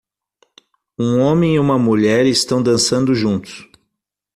Um homem e uma mulher estão dançando juntos